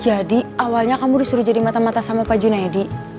awalnya kamu disuruh jadi mata mata sama pak junaidi